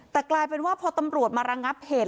แต่กลายเป็นว่าพอตำรวจมาระงับเหตุ